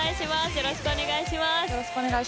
よろしくお願いします。